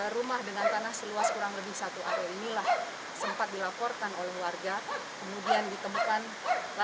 rumah dengan tanah seluas kurang lebih satu area inilah sempat dilaporkan oleh warga kemudian ditemukan